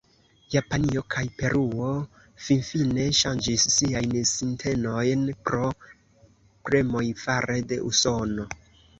Japanio kaj Peruo finfine ŝanĝis siajn sintenojn pro premoj fare de Usono.